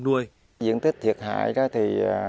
nói về diện tích thiệt hại đó thì